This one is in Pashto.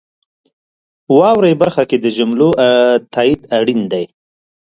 واورئ برخه کې د جملو تایید اړین دی.